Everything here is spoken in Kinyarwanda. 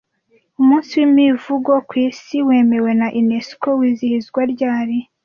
Umunsi w’imivugo ku isi, wemewe na UNESCO wizihizwa ryari